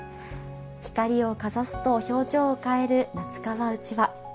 光をかざすと表情を変える撫川うちわ。